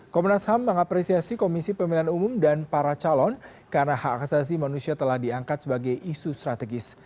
komnas ham mengapresiasi komisi pemilihan umum dan para calon karena hak asasi manusia telah diangkat sebagai isu strategis